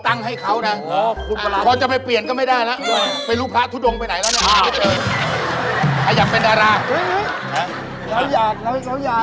อาจจะผมไม่เล่นกับคุณปราชิกกูแล้ว